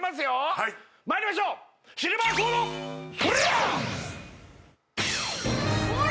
はいまいりましょうシルバーソードそりゃっ！